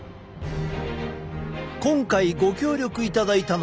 今回ご協力いただいたのは。